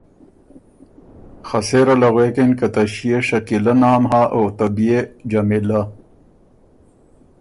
خه سېره له غوېکِن که ”ته ݭيې شکیلۀ نام هۀ او ته بيې جمیلۀ“